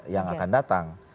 yang akan datang